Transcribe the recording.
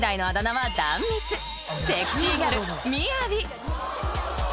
［セクシーギャル］